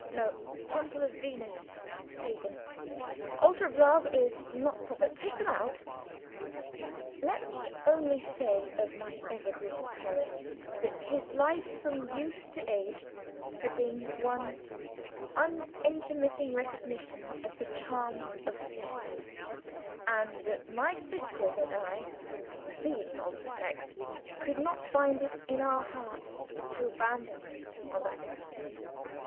No: Temple of Venus is Pagan; altar of love is not proper take them out. Let me only say of my evergreen parent that his life from youth to age had been one unintermitting recognition of the charms of the sex, and that my sisters and I (being of the sex) could not find it in our hearts to abandon him on that account.